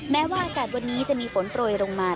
แม้ว่าอากาศวันนี้จะมีฝนโปรยลงมา